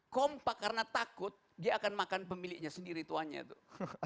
kompak karena takut dia akan makan pemiliknya sendiri tuannya tuh